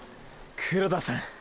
黒田さん。